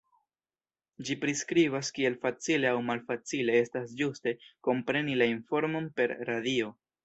Ĝi priskribas kiel facile aŭ malfacile estas ĝuste kompreni la informon per radio.